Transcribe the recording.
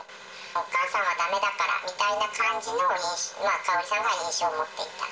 お母さんはだめだからみたいな感じの印象、かほりさんは印象を持っていた。